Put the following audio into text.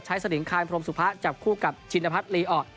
ใช้สลิงคายพรมสุภาจับคู่กับชินภัทรลีออก